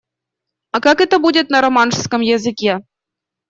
А как это будет на романшском языке?